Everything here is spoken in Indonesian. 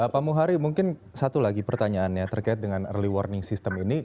pak muhari mungkin satu lagi pertanyaannya terkait dengan early warning system ini